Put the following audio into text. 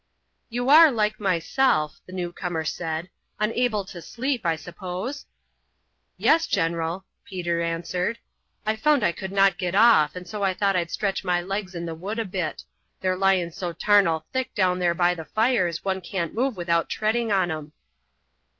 "You are, like myself," the newcomer said, "unable to sleep, I suppose?" "Yes, general," Peter answered. "I found I could not get off, and so I thought I'd stretch my legs in the wood a bit. They're lying so tarnal thick down there by the fires, one can't move without treading on 'em."